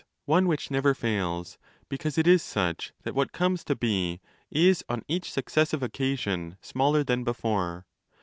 one which never fails, because it is such that what comes to be is on each successive occasion smaller than before.